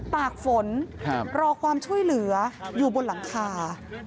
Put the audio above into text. ปากฝนรอความช่วยเหลืออยู่บนหลังคา